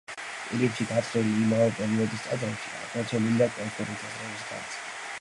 ყირიმში გათხრილი იმავე პერიოდის ტაძრებში აღმოჩენილია კოლხური თეთრების განძი.